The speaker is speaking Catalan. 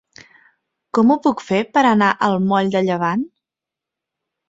Com ho puc fer per anar al moll de Llevant?